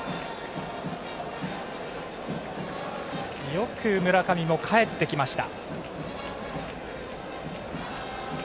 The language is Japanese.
よく村上もかえってきました。